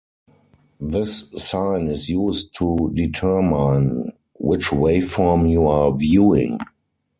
This sign is used to determine which waveform you are viewing.